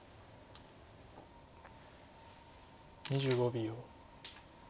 ２５秒。